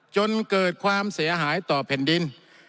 จนเกิดความเสียหายต่อแผ่นดิน